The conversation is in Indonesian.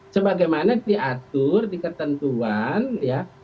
sebagaimana diatur di ketentuan ya